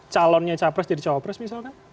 calonnya capres jadi cawapres misalkan